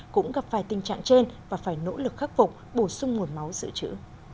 cũng gặp phải tình trạng trên và phải nỗ lực khắc phục bổ sung nguồn máu giữ chữ